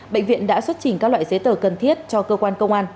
bệnh viện đã xuất trình các loại giấy tờ cần thiết cho cơ quan công an